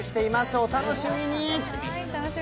お楽しみに。